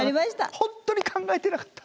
本当に考えてなかった。